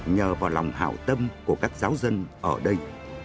nhờ vào lòng hảo tâm của các giáo dân ở đây